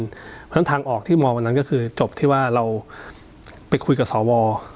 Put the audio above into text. เพราะฉะนั้นทางออกที่มองวันนั้นก็คือจบที่ว่าเราไปคุยกับสว